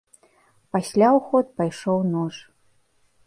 Пасля ў ход пайшоў нож.